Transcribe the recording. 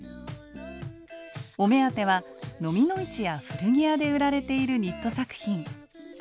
お目当てはのみの市や古着屋で売られているニット作品。